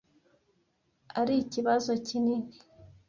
arikibazo kinini.